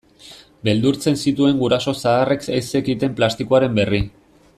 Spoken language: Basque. Beldurtzen zituen guraso zaharrek ez zekiten plastikoaren berri.